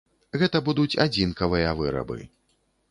Гэта будуць адзінкавыя вырабы.